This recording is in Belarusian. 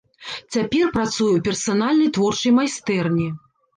Цяпер працуе ў персанальнай творчай майстэрні.